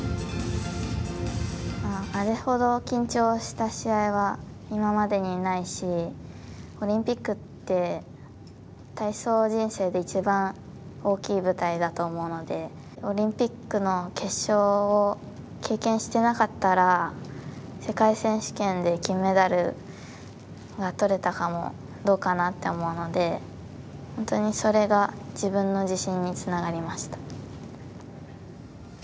あれほど緊張した試合は今までにないしオリンピックって体操人生で一番大きい舞台だと思うのでオリンピックの決勝を経験していなかったら世界選手権で金メダルはとれたかもどうかなって思うので本当にそれが自分の自信につながりました。